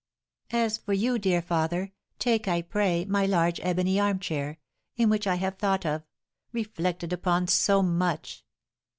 "As for you, dear father, take, I pray, my large ebony armchair, in which I have thought of reflected upon so much."